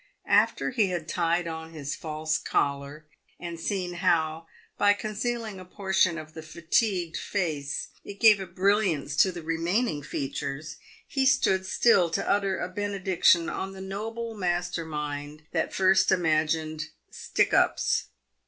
After he had tied on his false collar, and seen how, by concealing a portion of the fatigued face, it gave a brilliance to the remaining features, he stood still to utter a benediction on the noble master mind that first imagined " stick ups."